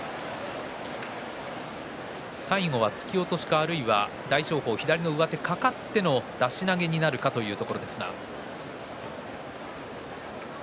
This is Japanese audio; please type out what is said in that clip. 最後は突き落としか、あるいは大翔鵬左の上手がかかっての出し投げになるかというところですが。